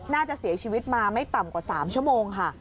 น่าจะเสียชีวิตมาไม่ต่ำกว่า๓ชั่วโมงค่ะ